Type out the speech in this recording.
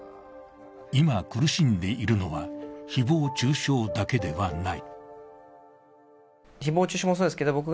今苦しんでいるのは誹謗中傷だけではない。